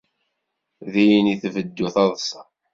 Din i tbeddu taḍsa.